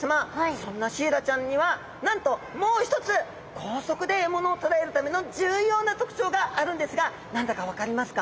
そんなシイラちゃんにはなんともう一つ高速で獲物をとらえるための重要な特徴があるんですが何だか分かりますか？